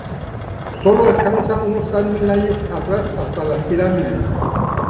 Sólo alcanza unos tales mil años atrás hasta las pirámides.